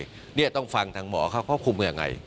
ถ้ามันจะต้องฟังทางหมอเขาคุมอื่นยังไง